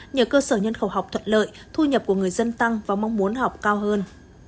nhờ cơ sở nhân khẩu học thuận lợi thu nhập của người dân tăng và mong muốn học cao hơn